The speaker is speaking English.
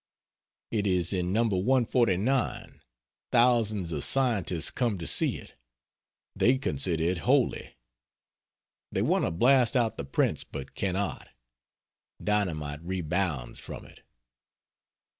It is in No. 149. Thousands of scientists come to see it. They consider it holy. They want to blast out the prints but cannot. Dynamite rebounds from it.